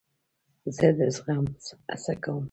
زه د زغم هڅه کوم.